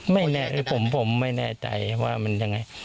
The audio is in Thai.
ไม่แน่ใจผมไม่แน่ใจว่ามันยังไง